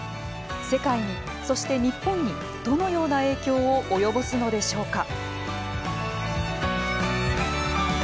世界に、そして曰本にどのような影響を及ぼすのでしょうか。